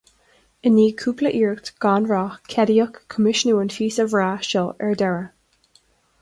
I ndiaidh cúpla iarracht gan rath, ceadaíodh coimisiúnú an phíosa bhreá seo ar deireadh